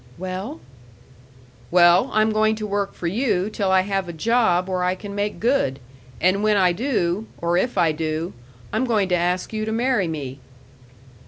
"Well?" "Well, I'm going to work for you till I have a job where I can make good, and when I do or if I do I'm going to ask you to marry me."